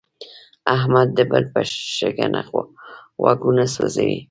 احمد د بل په شکنه غوږونه سوزي.